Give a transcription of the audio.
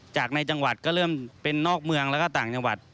จากในจังหวัดก็เริ่มเป็นนอกเมืองแล้วก็ต่างจังหวัด